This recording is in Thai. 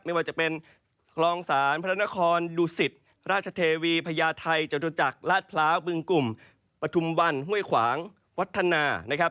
ไม่ว่าจะเป็นคลองศาลพระนครดุสิตราชเทวีพญาไทยจตุจักรลาดพร้าวบึงกลุ่มปฐุมวันห้วยขวางวัฒนานะครับ